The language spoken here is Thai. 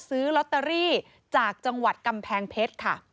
ซื้อลอตเตอรี่จากจังหวัดกำแพงเพชรค่ะ